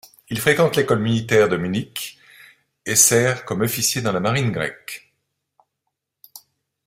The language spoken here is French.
Il fréquente l'école militaire de Munich et sert comme officier dans la marine grecque.